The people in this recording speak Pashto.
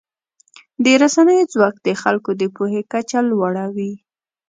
د رسنیو ځواک د خلکو د پوهې کچه لوړوي.